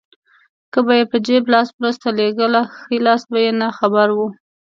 که به يې په چپ لاس مرسته لېږله ښی لاس به يې ناخبره و.